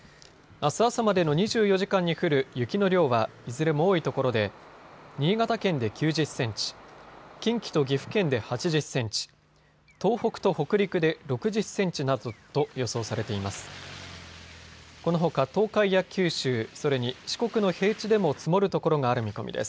あす朝までの２４時間に降る雪の量はいずれも多いところで新潟県で９０センチ、近畿と岐阜県で８０センチ、東北と北陸で６０センチなどと予想されています。